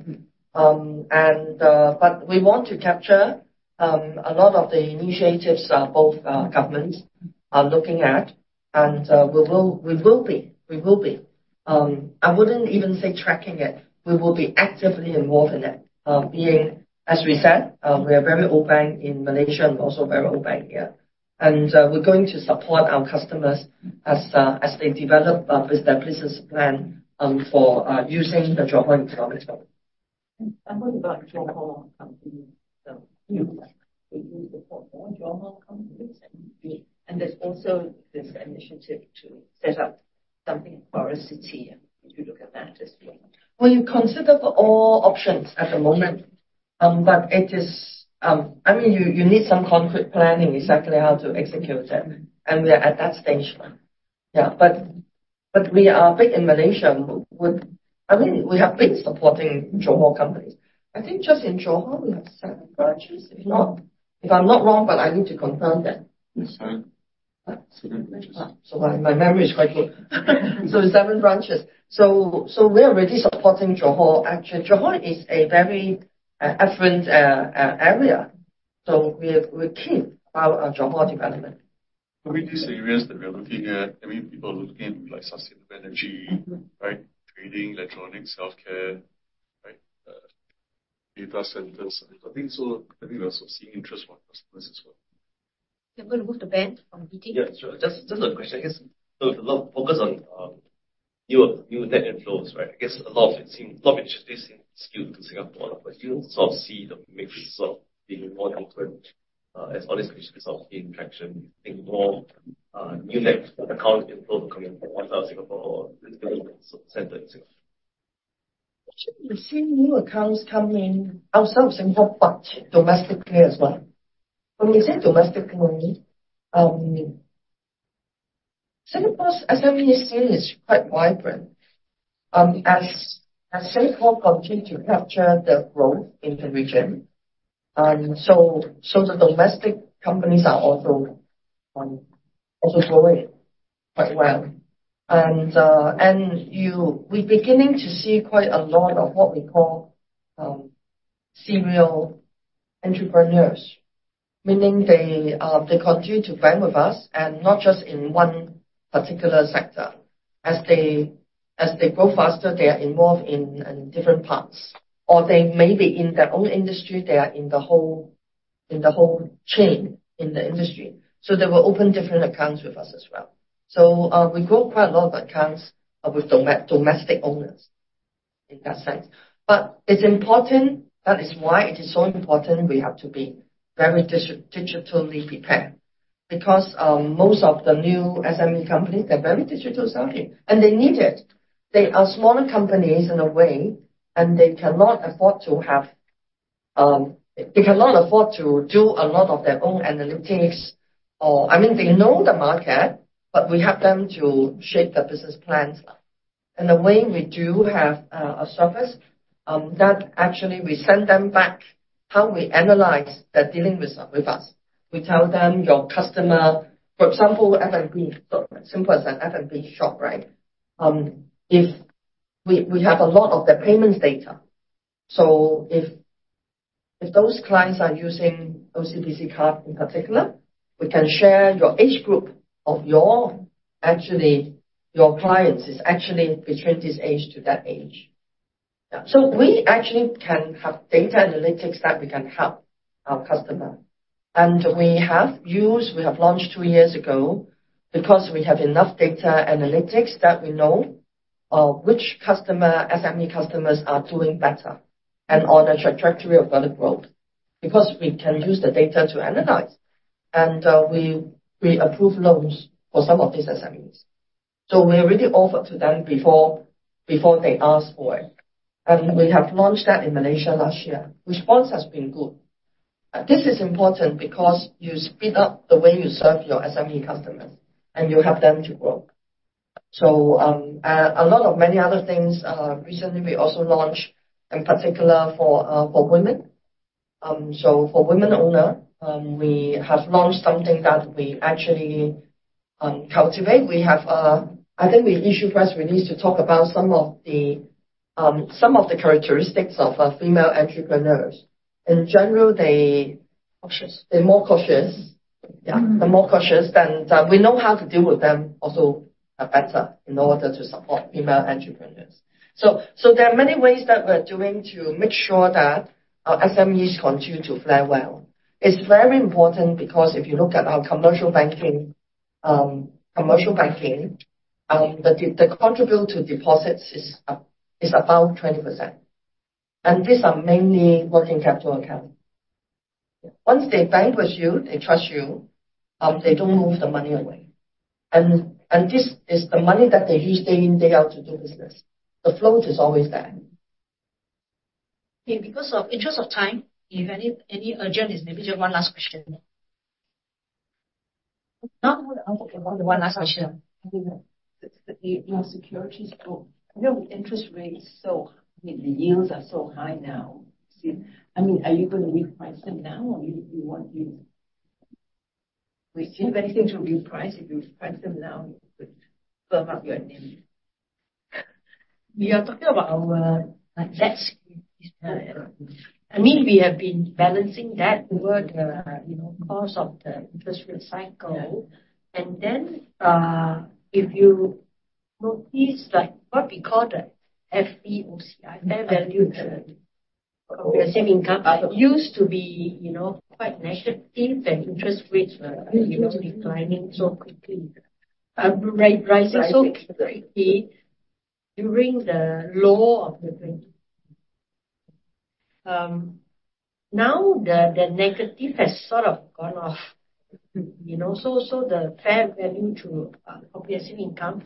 But we want to capture a lot of the initiatives both governments are looking at. And we will be. We will be. I wouldn't even say tracking it. We will be actively involved in it. Being, as we said, we are very open in Malaysia and also very open here. And we're going to support our customers as they develop their business plan for using the Johor economic zone. I'm talking about Johor companies. So you support more Johor companies. And there's also this initiative to set up something for a city. Would you look at that as well? Well, you consider for all options at the moment. But it is, I mean, you need some concrete planning exactly how to execute it. We are at that stage now. Yeah. We are big in Malaysia. I mean, we have been supporting Johor companies. I think just in Johor, we have seven branches, if I'm not wrong, but I need to confirm that. My memory is quite good. Seven branches. We're already supporting Johor. Actually, Johor is a very affluent area. We're keen about our Johor development. We do see areas that we're looking at. I mean, people are looking like sustainable energy, right? Trading, electronics, healthcare, right? Data centers. I think so. I think we're also seeing interest from customers as well. They're going to move the plant from China? Yeah. Just a question. I guess a lot of focus on new net inflows, right? I guess a lot of it just seems skewed to Singapore. But you don't sort of see the mix sort of being more different as all these countries are seeing traction. You think more new net account inflow coming out of Singapore or the center in Singapore? You see new accounts coming outside of Singapore, but domestically as well. When you say domestically, Singapore's SME scene is quite vibrant as Singapore continues to capture the growth in the region. So the domestic companies are also growing quite well. And we're beginning to see quite a lot of what we call serial entrepreneurs, meaning they continue to bank with us and not just in one particular sector. As they grow faster, they are involved in different parts. Or they may be in their own industry. They are in the whole chain in the industry. So they will open different accounts with us as well. So we grow quite a lot of accounts with domestic owners in that sense. But it's important. That is why it is so important we have to be very digitally prepared because most of the new SME companies, they're very digital starting. And they need it. They are smaller companies in a way, and they cannot afford to do a lot of their own analytics. I mean, they know the market, but we help them to shape their business plans. And the way we do have a service, that actually we send them back how we analyze their dealings with us. We tell them, "Your customer, for example, F&B," so simple as that, "F&B shop," right? We have a lot of their payments data. So if those clients are using OCBC card in particular, we can share your age group of your clients is actually between this age to that age. So we actually can have data analytics that we can help our customer. And we have launched two years ago because we have enough data analytics that we know which SME customers are doing better and on a trajectory of better growth because we can use the data to analyze. And we approve loans for some of these SMEs. So we already offered to them before they asked for it. And we have launched that in Malaysia last year, which ones have been good. This is important because you speed up the way you serve your SME customers, and you help them to grow. So a lot of many other things recently we also launched, in particular for women. So for women owners, we have launched something that we actually cultivate. I think we issue press release to talk about some of the characteristics of female entrepreneurs. In general, they're more cautious. Yeah. They're more cautious. And we know how to deal with them also better in order to support female entrepreneurs. So there are many ways that we're doing to make sure that our SMEs continue to fare well. It's very important because if you look at our commercial banking, they contribute to deposits is about 20%. And these are mainly working capital accounts. Once they bank with you, they trust you. They don't move the money away. And this is the money that they use day in, day out to do business. The float is always there. Okay. In the interest of time, if anyone's urgent, maybe just one last question. Not more than one last question. Your securities book, your interest rates are so high now. I mean, are you going to reprice them now, or do you want to? If you have anything to reprice, if you reprice them now, you could firm up your NIM. We are talking about our debts. I mean, we have been balancing that over the course of the interest rate cycle. And then if you notice what we call the FVOCI, Fair Value through Other Comprehensive Income, it used to be quite negative when interest rates were declining so quickly. Rising so quickly during the low of the 20s. Now the negative has sort of gone off. So the fair value through other comprehensive income,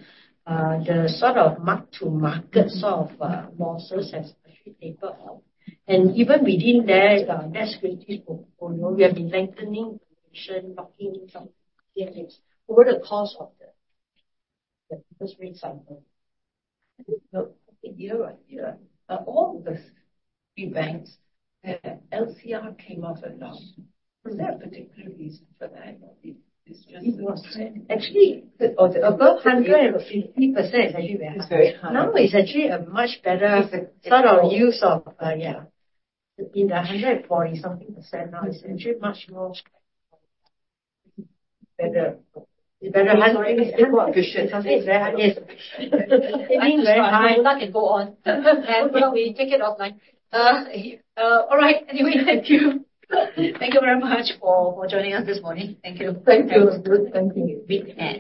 the sort of mark-to-market sort of losses have actually tapered off. And even within their net securities portfolio, we have been lengthening the duration, locking in some of the things over the course of the interest rate cycle. All the big banks, LCR came off a lot. Was there a particular reason for that? It was actually above 150%. Now it's actually a much better sort of use of, yeah, in the 140-something%. Now it's actually much more better. It's better handling. It's more efficient. It means very high. We're not going to go on. We take it offline. All right. Anyway, thank you. Thank you very much for joining us this morning. Thank you. Thank you. Thank you.